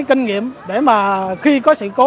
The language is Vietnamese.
kinh nghiệm để mà khi có sự cố